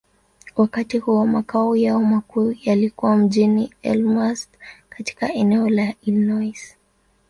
Wakati huo, makao yao makuu yalikuwa mjini Elmhurst, katika eneo la Illinois.